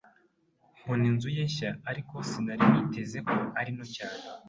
Nkunda inzu ye nshya, ariko sinari niteze ko ari nto cyane.